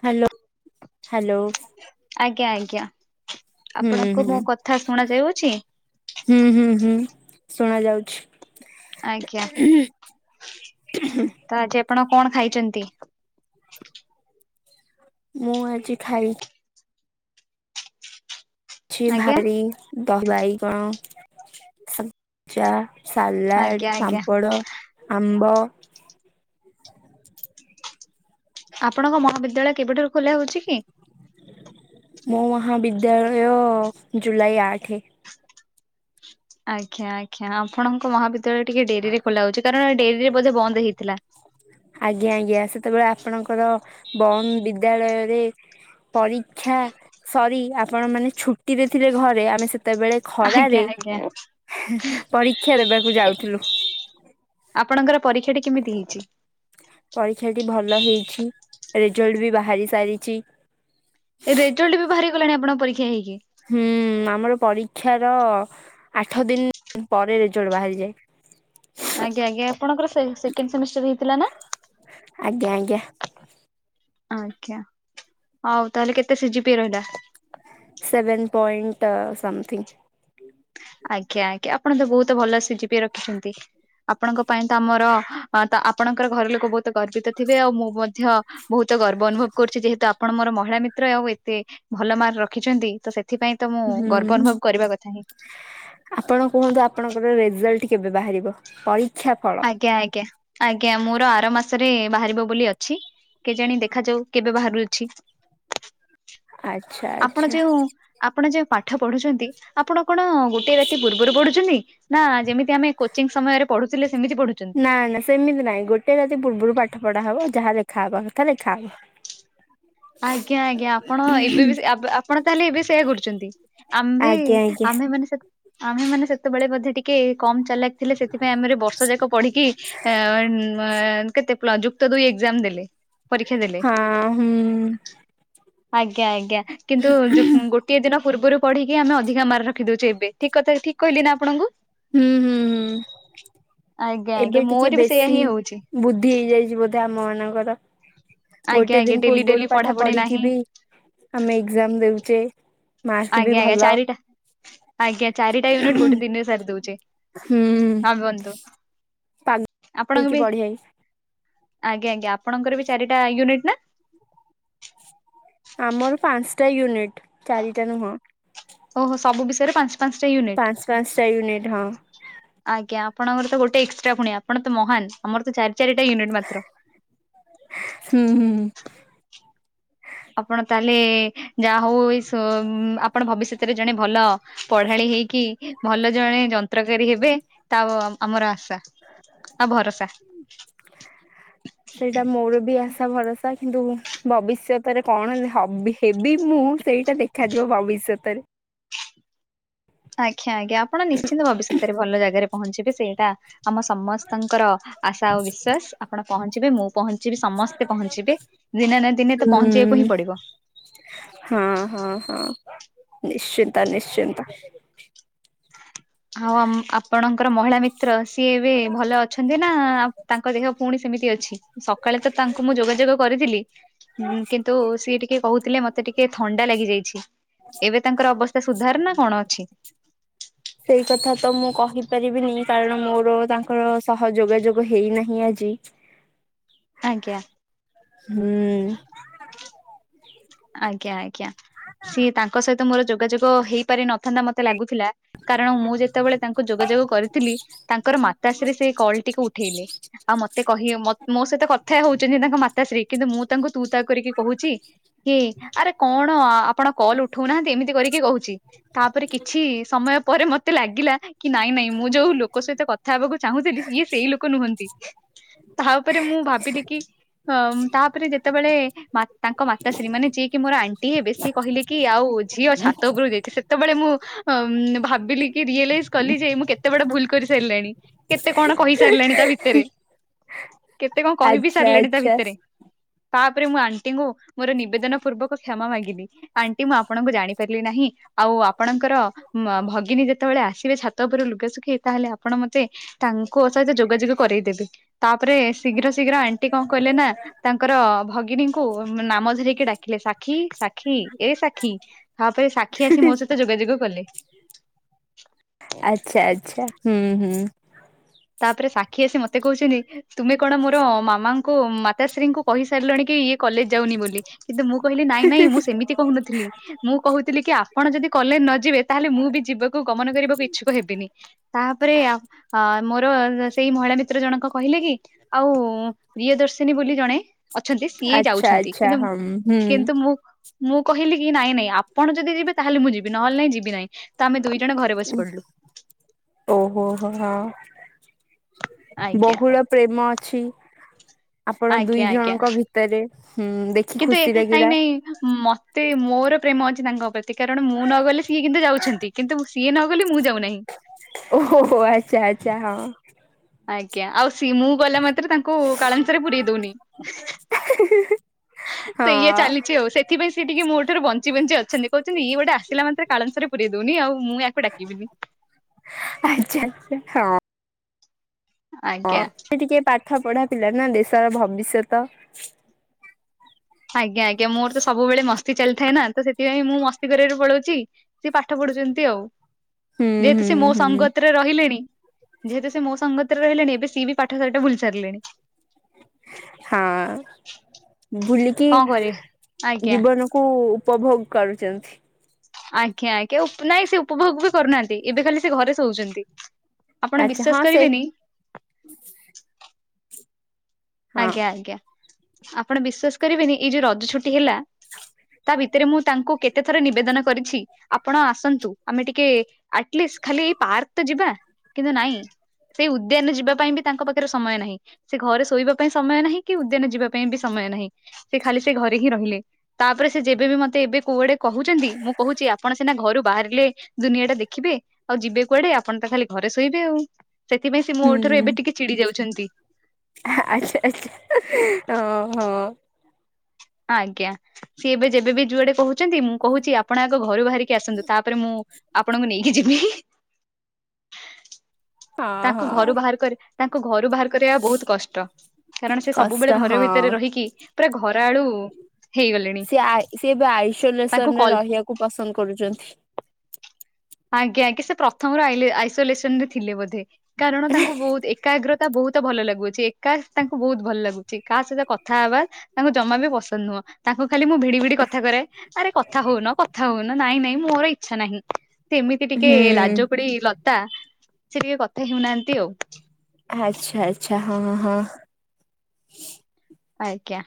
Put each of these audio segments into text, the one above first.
Hello, hello. ଆଜ୍ଞା ଆଜ୍ଞା ହୁଁ ଆପଣଙ୍କୁ ମୋ ହୁଁ କଥା ଶୁଣା ଯାଉଅଛି? ହୁଁ ହୁଁ ହୁଁ ଶୁଣା ଯାଉଛି। ଆଜ୍ଞା, ତ ଆଜି ଆପଣ କଣ ଖାଇଛନ୍ତି? ମୁଁ ଆଜି ଖାଇ ଛି ଆଜ୍ଞା ଭାରି ଦହି ବାଇଗଣ ସା ଜା ସାଲାଡ଼, ଆଜ୍ଞା ଆଜ୍ଞା ପାମ୍ପଡ଼, ଆମ୍ବ। ଆପଣଙ୍କ ମହାବିଦ୍ୟାଳୟ କେବେଠାରୁ ଖୋଲା ହଉଚି କି? ମୋ ମହାବିଦ୍ୟାଳୟ ଜୁଲାଇ ଆଠେ। ଆଜ୍ଞା ଆଜ୍ଞା ଆପଣଙ୍କ ମହାବିଦ୍ୟାଳୟ ଟିକେ ଡେରିରେ ଖୋଲା ହଉଚି। କାରଣ ଡେରିରେ ବୋଧେ ବନ୍ଦ ହେଇଥିଲା। ଆଜ୍ଞା ଆଜ୍ଞା ସେତେବେଳେ ଆପଣଙ୍କର ବନ୍ଦ ବିଦ୍ୟାଳୟରେ ପରୀକ୍ଷା ସରି ଆପଣ ମାନେ ଛୁଟିରେ ଥିବେ ଘରେ। ଆମେ ସେତେବେଳେ ଆଜ୍ଞା ଖରାରେ ଆଜ୍ଞା ହେଁ ପରୀକ୍ଷା ଦେବାକୁ ଯାଉଥିଲୁ। ଆପଣଙ୍କର ପରୀକ୍ଷାଟି କେମିତି ହେଇଚି? ପରୀକ୍ଷାଟି ଭଲ ହେଇଛି। ରେଜଲ୍ଟ ବି ବାହାରି ସାରିଚି। ରେଜଲ୍ଟ ବି ବାହାରି ଗଲାଣି ଆପଣଙ୍କ ପରୀକ୍ଷା ହେଇକି? ହୁଁ ଆମର ପରୀକ୍ଷାର ଆଠ ଦିନ ପରେ ରେଜଲ୍ଟ ବାହାରିଯାଏ। ଆଜ୍ଞା, ଆଜ୍ଞା ଆପଣଙ୍କର ସେ ସେକେଣ୍ଡ ସେମିଷ୍ଟାର ହେଇଥିଲାନା? ଆଜ୍ଞା ଆଜ୍ଞା ଆଜ୍ଞା ଆଉ ତାହେଲେ କେତେ ସିଜିପି ରହିଲା? ସେଭେନ ପଏଣ୍ଟ ଅ ସମଥିଙ୍ଗି। ଆଜ୍ଞା ଆଜ୍ଞା ଆପଣ ତ ବହୁତ ଭଲ ସି ଜି ପି ଏ ରଖିଛନ୍ତି। ଆପଣଙ୍କ ପାଇଁ ତ ଆମର ତ ଆପଣଙ୍କର ଘର ଲୋକ ବହୁତ ଗର୍ବିତ ଥିବେ ଆଉ ମୁଁ ମଧ୍ୟ ବହୁତ ଗର୍ବ ଅନୁଭବ କରୁଛି ଯେହେତୁ ଆପଣ ମୋର ମହିଳା ମିତ୍ର ଆଉ ଏତେ ଭଲ ମାର୍କ ରଖିଛନ୍ତି ତ ସେଥିପାଇଁ ତ ମୁଁ ହୁଁ। ଗର୍ବ ଅନୁଭବ କରିବା କଥା ହିଁ। ଆପଣ କୁହନ୍ତୁ ଆପଣଙ୍କର ରେଜଲ୍ଟ କେବେ ବାହାରିବ ପରୀକ୍ଷା ଫ ଆଜ୍ଞା ଆଜ୍ଞା ଆଜ୍ଞା ମୋର ଆର ମାସରେ ବାହାରିବ ବୋଲି ଅଛି। କେଜାଣି ଦେଖାଯାଉ କେବେ ବାହାରୁଅଛି ଆଚ୍ଛା ଆପଣ ଆଚ୍ଛା। ଯୋଉ ଆପଣ ଯେଉ ପାଠ ପଢୁଛନ୍ତି ଆପଣ କଣ ଗୋଟିଏ ରାତି ପୂର୍ବରୁ ପଢୁଛନ୍ତି। ନା ଯେମିତି ଆମେ କୋଚିଂ ସମୟରେ ପଢୁ ନା ନା ସେମିତି ନାଇଁ ଗୋଟେ ରାତି ପୂର୍ବରୁ ପାଠ ପଢା ହବ ଯାହା ଲେଖା ହବା କଥା ଲେଖା ହବ। ଆଜ୍ଞା ଆଜ୍ଞା ଆପଣ ଏବେ ବି ଆପଣ ତାହେଲେ ଏବେ ସେୟା କରୁଛନ୍ତି। ଆମ୍ଭେ ଆଜ୍ଞା ବି ଆଜ୍ଞା ଆମ୍ଭେ ମାନେ ଆମ୍ଭେ ମାନେ ସେତେବେଳେ ବୋଧେ ଟିକେ କମ ଚାଲା ଥିଲେ ସେଥିପାଇଁ ଆମର ଏ ବର୍ଷ ଯାକ ପଢିକି। ଏ କେତେ ପ୍ଲ ଯୁକ୍ତ ଦୁଇ ଏକ୍ସାମ ଦେଲେ ପରୀକ୍ଷା ଦେଲେ। ହଁ ହୁଁ ଆଜ୍ଞା ଆଜ୍ଞା କିନ୍ତୁ ଯୁ ଗୋଟିଏ ଦିନ ପୂର୍ବରୁ ପଢିକି ଆମେ ଅଧିକା ମାର୍କ ରଖି ଦେଉଛୁ ଏବେ ଠିକ କଥା ଠିକ କହିଲି ନା ଆପଣଙ୍କୁ ହୁଁ ହୁଁ ହୁଁ। ଆଜ୍ଞା ଏବେ ଆଜ୍ଞା ଟିକେ ମୋର ବି ସେଇଆ ବେଶୀ ହିଁ ହଉଛି। ବୁଦ୍ଧି ହେଇଯାଇଛି ବୋଧେ ଆମ ମାନଙ୍କର ଆଜ୍ଞା ଗୋଟେ ଆଜ୍ଞା ଦିନ ଡେଲି ଡେଲି ପୂର୍ବରୁ ପାଠ ପଢାପଢି ପଢିକି ନାହିଁ। ବି ଆମେ ଏକ୍ଜାମ ଦଉଚେ। ଆଜ୍ଞା ଆଜ୍ଞା ଚାରିଟା ଆଜ୍ଞା ଚାରିଟା ୟୁନିଟ ଗୋଟେ ଦିନ ସାରି ଦଉଚେ। ହୁଁ। ହନ୍ତୁ ପାଗ ଆପଣଙ୍କୁ ହେଇକି ବି ବଢିଆ ଆଜ୍ଞା ଆଜ୍ଞା ଆପଣଙ୍କର ବି ଚାରିଟା ୟୁନିଟ୍ ନା? ଆମର ପାଞ୍ଚଟା ୟୁନିଟ ଚାରିଟା ନୁହଁ। ଓହୋ ସବୁ ବିଷୟରେ ପାଞ୍ଚ ପାଞ୍ଚଟା ୟୁନିଟ୍। ପାଞ୍ଚ ପାଞ୍ଚଟା ୟୁନିଟ୍ ହଁ। ଆଜ୍ଞା ଆପଣଙ୍କର ତ ଗୋଟେ ଏକ୍ସଟ୍ରା ପୁଣି ଆପଣ ତ ମହାନ ଆମର ତ ଚାରି ଚାରିଟା ୟୁନିଟ୍ ମାତ୍ର। ହୁଁ ହୁଁ। ଆପଣ ତାହେଲେ ଯାହା ହଉ ଏ ସୋ ଆପଣ ଭବିଷ୍ୟତରେ ଜଣେ ଭଲ ପଢାଳି ହେଇକି ଭଲ ଜଣେ ଯନ୍ତ୍ରକାରୀ ହେବେ ତା ଆମର ଆଶା। ଆଉ ଭରସା ସେଇଟା ମୋର ବି ଆସା ଭରସା କିନ୍ତୁ ଭବିଷ୍ୟତରେ କଣ ହବି ହେବି ମୁଁ ସେଇଟା ଦେଖାଯିବ ଭବିଷ୍ୟତରେ। ଆଜ୍ଞା ଆଜ୍ଞା ଆପଣ ନିଶ୍ଚିନ୍ତ ଭବିଷ୍ୟତରେ ଭଲ ଜାଗାରେ ପହଞ୍ଚିବେ ସେଇଟା ଆମ ସମସ୍ତଙ୍କର ଆଶା ଓ ବିଶ୍ଵାସ ଆପଣ ପହଞ୍ଚିବେ ମୁଁ ପହଞ୍ଚିବି ସମସ୍ତେ ପହଞ୍ଚିବେ ଦିନେ ନା ଦିନେ ତ ପହଞ୍ଚିବାକୁ ହିଁ ହୁଁ। ପଡିବ। ହଁ ହଁ ହଁ ନିଶ୍ଚିନ୍ତ ନିଶ୍ଚିନ୍ତ। ଆଉ ଆପଣଙ୍କର ମହିଳା ମିତ୍ର ସିଏ ଏବେ ଭଲ ଅଛନ୍ତି ନା ତାଙ୍କ ଦେହ ପୁଣି ସେମିତି ଅଛି ସକାଳେ ତ ତାଙ୍କୁ ମୁଁ ଯୋଗାଯୋଗ କରିଥିଲି। କିନ୍ତୁ ସିଏ ଟିକେ କହୁଥିଲେ ମତେ ଟିକେ ଥଣ୍ଡା ଲାଗିଯାଇଛି ଏବେ ତାଙ୍କର ଅବସ୍ ସେ ସୁଧାର ନା କଣ ଅଛି। ସେଇ କଥା ତ ମୁଁ କହିପାରିବିନି କାରଣ ମୋର ତାଙ୍କର ସହ ଯୋଗାଯୋଗ ହେଇନାହିଁ ଆଜି। ଆଜ୍ଞା। ହୁଁ। ଆଜ୍ଞା ଆଜ୍ଞା ସିଏ ତାଙ୍କ ସହିତ ମୋର ଯୋଗାଯୋଗ ହେଇପାରି ନଥାନ୍ତା ମତେ ଲାଗୁଥିଲା। କାରଣ ମୁଁ ଯେତେବେଳେ ତାଙ୍କୁ ଯୋଗାଯୋଗ କରିଥିଲି ତାଙ୍କର ମାତାଶ୍ରୀ ସେ କଲଟିିକୁ ଉଠେଇଲେ। ଆଉ ମତେ କହିବେ ମୋ ସହିତ କଥା ହଉଛନ୍ତି ତାଙ୍କ ମାତାଶ୍ରୀ କିନ୍ତୁ ମୁଁ ତାଙ୍କୁ ତୁ ତା କରିକି କହୁଛି କି ଆରେ କଣ ଆପଣ କଲ୍ ଉଠଉନାହାନ୍ତି ଏମିତି କରିକି କହୁଛି। ତାପରେ କିଛି ସମୟ ପରେ ମତେ ଲାଗିଲା। କି ନାଇଁ ନାଇଁ ମୁଁ ଯୋଉ ଲୋକ ସହିତ କଥା ହେବାକୁ ଚାହୁଁଥିଲି ଇଏ ସେଇ ଲୋକ ନୁହନ୍ତି। ତା ଉପରେ ମୁଁ ଭାବିଲି କି ଅ ତାପରେ ଯେତେବେଳେ ମା ତାଙ୍କ ମା ତାଶ୍ରୀ ମାନେ ଯିଏକି ମୋର ଆଣ୍ଟି ହେବେ ସିଏ କହିଲେ କି ଆଉ ଝିଅ ଛାତ ଉପରୁ ଯାଇଚି ସେତେବେଳେ ମୁଁ ହ ଉଁ ଭାବିଲି କି ରିଅଲାଇଜ୍ କଲି ଯେ ମୁଁ କେ କେତେ ବଡ ଭୁଲ କରି ସାରିଲାଣି କେତେ କଣ କହିସାରିଲାଣି ତା ଭିତରେ। କେତେ କଣ କହିବି ଆଚ୍ଛା ସାରିଲେଣି ତା ଆଚ୍ଛା ଭିତରେ? ତାପରେ ମୁଁ ଆଣ୍ଟିଙ୍କୁ ମୋର ନିବେଦନ ପୂର୍ବକ କ୍ଷମା ମାଗିଲି। ଆନ ଣ୍ଟି ମୁଁ ଆପଣଙ୍କୁ ଜାଣିପାରିଲି ନାହିଁ। ଆଉ ଆପଣଙ୍କର ଭଗିନୀ ଯେତେବେଳେ ଆସିବେ ଛାତ ଉପରୁ ଲୁଗେ ଶୁଖେଇ ତାହେଲେ ଆପଣ ମତେ ତାଙ୍କୁ ଅ ସହିତ ଯୋଗାଯୋଗ କରାଇଦେବେ। ତାପରେ ଶୀଘ୍ର ଶୀଘ୍ର ଆଣ୍ଟି କଣ କହିଲେ ନା ତାଙ୍କର ଭଗିନୀଙ୍କୁ ନାମ ଧରିକି ଡାକିଲେ ସାକ୍ଷୀ ସାକ୍ଷୀ ଏ ସାକ୍ଷୀ ହଁ ଫିର୍ ସାକ୍ଷୀ ଆସି ମୋ ସହିତ ଯୋଗାଯୋଗ କଲେ। ଆଚ୍ଛା ଆଚ୍ଛା ହୁଁ ହୁଁ। ତାପରେ ସାକ୍ଷୀ ଆସି ମତେ କହୁଛନ୍ତି ତୁମେ କଣ ମୋର ମାମା ଙ୍କୁ ମାତାଶ୍ରୀ ଙ୍କୁ କହିସାରିଲାଣି କି ଇଏ କଲେଜ ଯାଉନି ବୋଲି କିନ୍ତୁ ମୁଁ କହିଲି ନାଇଁ ନାଇଁ ମୁଁ ସେମିତି କହୁନଥିଲି। ମୁଁ କହୁଥିଲି କି ଆପଣ ଯଦି କଲେଜ ନ ଯିବେ ତାହେଲେ ମୁଁ ବି ଯିବାକୁ ଗମନ କରିବାକୁ ଇଚ୍ଛୁକ ହେବିନି। ତାପରେ ଅ ମୋର ସେଇ ମହିଳା ମିତ୍ର ଜଣଙ୍କ କହିଲେ କି ଆଉ ପ୍ରିୟ ଦର୍ଶିନୀ ବୋଲି ଜଣେ ଅଛନ୍ତି ସିଏ ଆଚ୍ଛା ଯାଉଛନ୍ତି। ଆଚ୍ଛା କିନ୍ତୁ ହଁ ହୁଁ କିନ୍ତୁ ମୁଁ ମୁଁ କହିଲି କି ନାଇଁ ନାଇଁ ଆପଣ ଯଦି ଯିବେ ତାହେଲେ ମୁଁ ଯିବି ନହେଲେ ନାଇଁ ଯିବି ନାହିଁ ତ ଆମେ ଦୁଇ ଜଣ ଘରେ ବସି ପଡିଲୁ। ଓହୋ ହୋ ହୋ ହଁ ଆଜ୍ଞା ବହୁଳ ପ୍ରେମ ଅଛି ଆପଣ ଆଜ୍ଞା ଦୁଇ ଆଜ୍ଞା ଜଣଙ୍କ ଭିତରେ। ହୁଁ ଦେଖି କିନ୍ତୁ ଖୁସି ଏ ଲାଗିଲା ଟାଇମ୍ ମ ତେ ମୋର ପ୍ରେମ ଅଛି ତାଙ୍କ ପ୍ରତି କାରଣ ମୁଁ ନ ଗଲେ ସିଏ କିନ୍ତୁ ଯାଉଛନ୍ତି କିନ୍ତୁ ସିଏ ନ [unintelligible] ମୁଁ ଯାଉନାହିଁ। ଓହହୋ ଆଚ୍ଛା ଆଚ୍ଛା ହଁ। ଆଜ୍ଞା ଆଉ ସି ମୁଁ ଗଲା ମାତ୍ରେ ତା ଙ୍କୁ କାଳନ୍ଦୀ ସାର୍ ପୁରେଇ ଦଉନି ହଁ ତ ଇଏ ଚାଲିଛି ଆଉ ସେ ଥିପାଇଁ ସେ ଟିକେ ମୋ ଠାରୁ ବଞ୍ଚି ବଞ୍ଚି ଅ ଛନ୍ତି କହୁଛନ୍ତି ଇଏ ଗୋଟେ ଆସିଲା ମାତ୍ରେ କାଳନ୍ଦି ସାର୍ ପୁରେଇ ଦଉନି ଆଉ ମୁଁ ଆକୁ ଡାକିବିନି। ଆଚ୍ଛା ଆଛା। ହଁ ଆଜ୍ଞା ସ ଟିକେ ପାଠ ପଢା ପିଲା ନା ଦେଶର ଭବିଷ୍ୟତ। ଆଜ୍ଞା ଆଜ୍ଞା ମୋର ତ ସବୁବେଳେ ମସ୍ତି ଚାଲିଥାଏ ନା ତ ସେଥିପାଇଁ ମୁଁ ମସ୍ତି କରିବାରେ ପଳାଉଛି। ସିଏ ପାଠ ପଢୁଛନ୍ତି ଆଉ ହୁଁ ଯେହେତୁ ହୁଁ ସେ ମୋ ହୁଁ। ସଙ୍ଗ ତ୍ର ରହିଲେଣି ଯେହେତୁ ସେ ମୋ ସଙ୍ଗତ୍ର ରେ ରହିଲେଣି ଏବେ ସିଏ ବି ପାଠ ସାଠ ଭୁଲି ସାରିଲେଣି। ହଁ ଭୁଲିକି କଣ କରିବେ ଆଜ୍ଞା। ଜୀବନ କୁ ଉପଭୋଗ କରୁଛନ୍ତି। ଆଜ୍ଞା ଆଜ୍ଞା ନାଇଁ ସେ ଉପଭୋଗ ବି କରୁନାହାନ୍ତି ଏବେ ଖାଲି ସେ ଘରେ ଶୋଉଛନ୍ତି। ଆପଣ ଆଛା ହଁ ବିଶ୍ଵାସ ସେ କରିବେନି ହଁ ଆଜ୍ଞା ଆଜ୍ଞା ଆପଣ ବିଶ୍ଵାସ କରିବେନି ଏଇ ଯୋଉ ରଜ ଛୁଟି ହେଲା। ତା ଭିତରେ ମୁଁ ତାଙ୍କୁ କେତେ ଥର ନିବେଦନ କରିଛି ଆପଣ ଆସନ୍ତୁ ଆମେ ଟିକେ ଆଟଲିଷ୍ଟ ଖାଲି ଏଇ ପାର୍କ ତ ଯିବା କିନ୍ତୁ ନାଇଁ। ସେଇ ଉଦ୍ୟାନ ଯିବା ପାଇଁ ବି ତାଙ୍କ ପାଖରେ ସମୟ ନାହିଁ ସେ ଘରେ ଶୋଇବା ପାଇଁ ସମୟ ନାହିଁ କି ଉଦ୍ୟାନ ଯିବା ପାଇଁ ବି ସମୟ ନାହିଁ ସେ ଖାଲି ସେ ଘରେ ହିଁ ରହିଲେ। ତାପରେ ସେ ଯେବେ ବି ମତେ ଏବେ କୁଆଡେ କହୁଛନ୍ତି ମୁଁ କହୁଛି ଆପଣ ସିନା ଘରୁ ବାହାରିଲେ। ଦୁନିଆ ଟା ଦେଖିବେ ଆଉ ଯିବେ କୁଆଡେ ଆପଣ ତ ଖାଲି ଘରେ ଶୋଇବେ ଆଉ। ସେଥିପାଇଁ ସେ ମୋ ହୁଁ ଠାରୁ ଏବେ ଟିକେ ଚିଡି ଯାଉଛନ୍ତି। ଆଚ୍ଛା ଆଛା ହଁ ହଁ। ଆଜ୍ଞା ସିଏ ଏବେ ଯେବେ ବି ଯୁଆଡେ କହୁଛନ୍ତି ମୁଁ କହୁଛି ଆପଣ ଆ ଘରୁ ବାହାରି କି ଆସନ୍ତୁ ତାପରେ ମୁଁ ଆପଣଙ୍କୁ ନେଇକି ଯିବି। ହଁ ତାଙ୍କୁ ଘରୁ ହଁ ବାହାର କରି ତାଙ୍କୁ ଘରୁ ବାହାର କରିବା ବହୁତ କଷ୍ଟ। କାରଣ ସେ କଷ୍ଟ ସବୁବେଳେ ଘରେ ହଁ। ଭିତରେ ରହିକି ପୁରା ଘରା ଆଳୁ। ହେଇଗଲେଣି ସେ ସେ ଏବେ ତାଙ୍କୁ ଆଇସୋଲେସନରେ କଲ୍ ରହିବାକୁ ପସନ୍ଦ କରୁଛନ୍ତି। ଆଜ୍ଞା ଆଜ୍ଞା ସେ ପ୍ରଥମରୁ ଆଇସୋଲେସନ ରେ ଥିଲେ ବୋଧେ କାରଣ ତାଙ୍କୁ ବହୁତ ଏକାଗ୍ର ବହୁତ ଭଲ ଲାଗୁଛି ଏକା ତାଙ୍କୁ ବହୁତ ଭଲ ଲାଗୁଛି କାହା ସହିତ କଥା ହେବା। ତାଙ୍କୁ ଜମା ବି ପସନ୍ଦ ନୁହଁ। ତାଙ୍କୁ ଖାଲି ମୁଁ ଭିଡି ଭିଡି କଥା କରାଏ, ଆରେ କଥା ହୋଉନ କଥା ହୋଉନ ନାଇଁ ନାଇଁ ମୋର ଇଚ୍ଛା ନାହିଁ। ସେ ଏମିତି ଟିକେ ହୁଁ। ଲାଜକୁଡି ଲତା ସେ ଟିକେ କଥା ହେଉନାହାନ୍ତି ଆଉ। ଆଚ୍ଛା ଆଚ୍ଛା ହଁଁ ହଁ। ଆଜ୍ଞା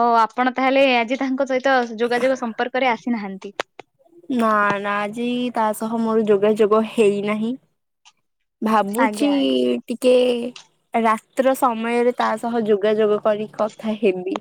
ଆଉ ଆପଣ ତାହେଲେ ଆଜି ତାଙ୍କ ସହି ତ ଯୋଗାଯୋଗ ସମ୍ପର୍କରେ ଆସିନାହାନ୍ତି। ନା ନା ଆଜି ତା ସହ ମୋର ଯୋଗାଯୋଗ ହେଇନାହିଁ। ଆଜ୍ଞା ଭାବୁଛି ଆଜ୍ଞା। ଟିକେ ରାତ୍ର ସମୟରେ ତା ସହ ଯୋଗାଯୋଗ କରି କଥା ହେବି।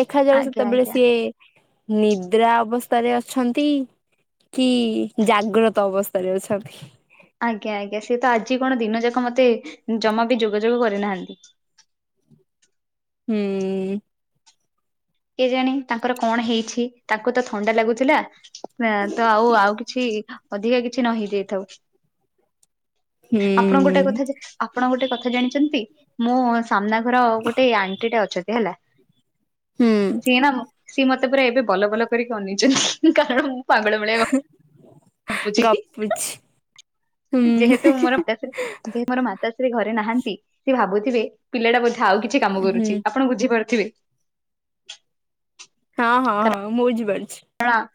ଦେଖାଯାଉ ଆଜ୍ଞା ସେତେବେଳେ ଆଜ୍ଞା ସିଏ ନିଦ୍ରା ଅବସ୍ଥାରେ ଅଛନ୍ତି କି ଜାଗ୍ରତ ଅବସ୍ଥାରେ ଅଛନ୍ତି। ଆଜ୍ଞା ଆଜ୍ଞା ସିଏ ତ ଆଜି କଣ ଦିନଯାକ ମତେ ଜମା ବି ଯୋଗାଯୋଗ କରିନାହାନ୍ତି। ହୁଁ କେଜାଣି ତାଙ୍କର କଣ ହେଇଛି ତାଙ୍କୁ ତ ଥଣ୍ଡା ଲାଗୁଥିଲା ନା ତ ଆଉ ଆଉ କିଛି ଅଧିକା କିଛି ନହେଇ ଯାଇଥାଉ। ଆପଣ ଗୋଟେ ହୁଁ କଥା ଆପଣ ଗୋଟେ କଥା ଜାଣିଛନ୍ତି ମୋ ସାମ୍ନା ଘର ଗୋଟେ ଆଣ୍ଟି ଟେ ଅଛତି ହେଲା। ହୁଁ ସିଏ ନା ସିଏ ମତେ ପୁରା ଏବେ ବଲବଲ କରିକି ଅନେଇଛନ୍ତି କାରଣ ପାଗଳ ଭଳିଆ ଗପୁଛି। ହୁଁ ଯେହେତୁ ମୋର [inaudible] ଯେହେ ମୋର ମାତାଶ୍ରୀ ଘରେ ନାହାନ୍ତି, ସେ ଭାବୁଥିବେ ପିଲାଟା ବୋଧେ ଆଉ କିଛି କାମ ହୁଁ କରୁଛି। ଆପଣ ବୁଝିପାରୁଥିବେ। ହଁ ହଁ ହଁ ମୁଁ ବଝିପାରୁିଛି। [unintelligible]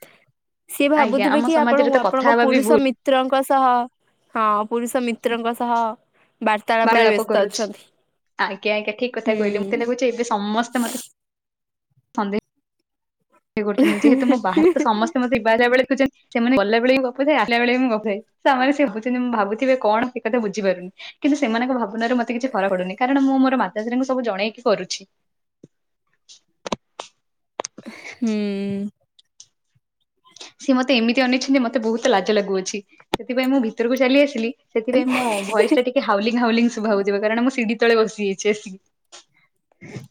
ସିଏ ଆଜ୍ଞା ଭାବୁଥିବେ ଆମ କି ଆପଣ ସମାଜରେ ତ କଥା ଆପଣଙ୍କ ହେବା ବି ପୁରୁଷ ଭୁଲ ମି ମିତ୍ରଙ୍କ ସହ ହଁ ପୁରୁଷ ମିତ୍ରଙ୍କ ସହ ବାର୍ତ୍ତାଳାପରେ ବାରାଳାପ ବ୍ୟସ୍ତ କରୁଛି। ଅଛନ୍ତି। ଆଜ୍ଞା ଆଜ୍ଞା ଠିକ୍ କଥା କହିଲେ ମତେ ହୁଁ ଲାଗୁଛି ଏବେ ସମସ୍ତେ ମତେ ସନ୍ଦେହ ଇଏ କରୁଛନ୍ତି ଯେହେତୁ ମୋ ବାହାରେ ତ ସମସ୍ତେ ମତେ ଯିବା ଆସିବାବେଳେ ଦେଖୁଛନ୍ତି ସେମାନେ ଗଲାବେଳେ ବି ଗପୁଥାଏ ଆସିଲାବେଳେ ବି ମୁଁ ଗପୁଥାଏ, ତାମାନେ ସେ [inaudible] ମୁଁ ଭାବୁଥିବେ କଣ ସେ କଥା ବୁଝିପାରୁନି। କିନ୍ତୁ ସେମାନଙ୍କ ଭାବନାରେ ମତେ କିଛି ଫର ପଡୁନି କାରଣ ମୁଁ ମୋର ମାତାଶ୍ରୀଙ୍କୁ ସବୁ ଜଣେଇକି କରୁଛି। ହୁଁ ସିଏ ମତେ ଏମିତି ଅନେଇଛନ୍ତି ମତେ ବହୁତ ଲାଜ ଲାଗୁଅଛି ସେଥିପାଇଁ ମୁଁ ଭିତରକୁ ଚାଲି ଆସିଲି। ସେଥିପାଇଁ ମୋ ଭଏସ୍ ଟା ଟିକେ ହାଉଲିଙ୍ଗ ହାଉଲିଙ୍ଗ ଶୁଭା ହଉଯିବ କାରଣ ମୁଁ ସିଢି ତଳେ ବସିଯାଇଛି ଆସିକି। ହ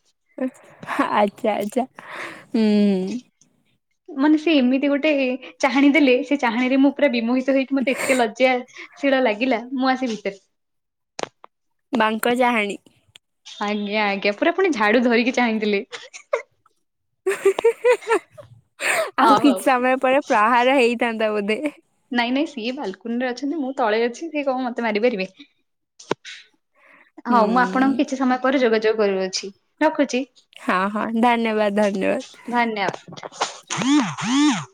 ଆଚ୍ଛା ଆଚ୍ଛା ହୁଁ ହୁଁ। ମନେ ସେ ଏମିତି ଗୋଟେ ଚାହାଣୀ ଦେଲେ, ସେ ଚାହାଣୀରେ ମୁଁ ପୁରା ବିମୋହି ତ ହେଇକି ମତେ ଏତେ ଲଜ୍ଜା ଶୀଳ ଲାଗିଲା ମୁଁ ଆସି ଭିତରେ। ବାଙ୍କଚାହାଣୀ। ଆଜ୍ଞା ଆଜ୍ଞା ପୁରା ପୁଣି ଝାଡୁ ଧରିକି ଚାହିଁଥିଲେ। ଆଉ ହଉ ହଉ କିଛି ସମୟ ପରେ ପ୍ରହାର ହେଇଥାନ୍ତା ବୋଧେ। ନାଇଁ ନାଇଁ ସିଏ ବାଲକୁନିରେ ଅଛନ୍ତି, ମୁଁ ତଳେ ଅଛି ସିଏ କଣ ମତେ ମାରିପାରିବେ। ହୁଁ ହଉ ମୁଁ ଆପଣଙ୍କୁ କିଛି ସମୟ ପରେ ଯୋଗାଯୋଗ କରୁଅଛି ରଖୁଚି। ହଁ ହଁ ଧନ୍ୟବାଦ ଧନ୍ୟବାଦ। ଧନ୍ୟବାଦ।